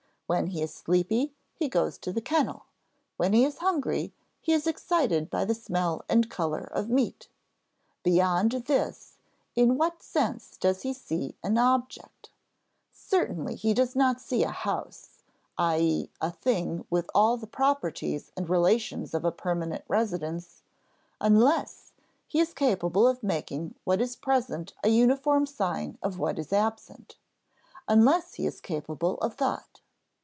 When he is sleepy, he goes to the kennel; when he is hungry, he is excited by the smell and color of meat; beyond this, in what sense does he see an object? Certainly he does not see a house i.e. a thing with all the properties and relations of a permanent residence, unless he is capable of making what is present a uniform sign of what is absent unless he is capable of thought.